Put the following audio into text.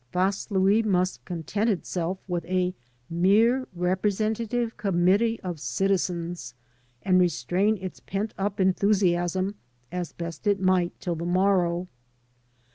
Vaslui must content itself with a mere representative committee of citizens and restrain its pent up enthusi asm as best it might till the morrow.